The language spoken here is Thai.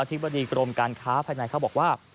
ธิบดีกรมการค้าภายในเขาบอกว่า